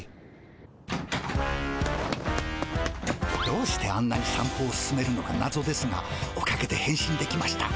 どうしてあんなにさん歩をすすめるのかなぞですがおかげでへん身できました。